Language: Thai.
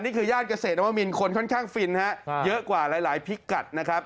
นี่คือย่างเกษตรน้ำมะมินคนค่อนข้างฟินเยอะกว่าหลายพิกัดนะครับ